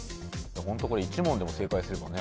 ホントこれ１問でも正解すればね